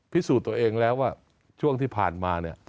พิสูจน์ตัวเองแล้วว่าช่วงที่ผ่านมาเนี่ย